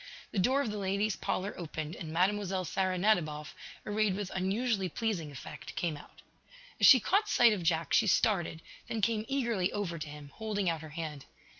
The door of the ladies' parlor opened, and Mlle. Sara Nadiboff, arrayed with unusually pleasing effect, came out. As she caught sight of Jack she started, then came eagerly over to him, holding out her hand.